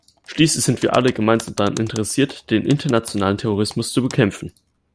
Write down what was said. Schließlich sind wir alle gemeinsam daran interessiert, den internationalen Terrorismus zu bekämpfen.